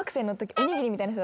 おにぎりみたいな人？